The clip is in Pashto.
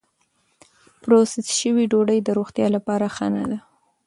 پروسس شوې ډوډۍ د روغتیا لپاره ښه نه ده.